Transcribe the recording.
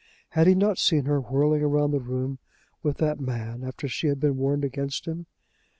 Had he not seen her whirling round the room with that man after she had been warned against him.